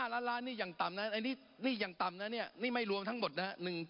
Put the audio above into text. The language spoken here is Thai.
๑๕ล้านล้านนี่ยังต่ำนะนี่ยังต่ำนะเนี่ยนี่ไม่รวมทั้งหมดนะ๑๒แสนล้านเนี่ย